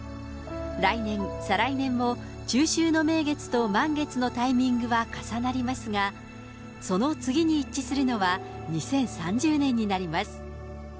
来年、再来年も中秋の名月と満月のタイミングは重なりますが、その次に一致するのは、２０３０年になります。